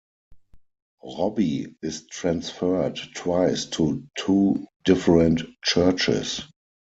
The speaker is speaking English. Robbie is transferred twice to two different churches.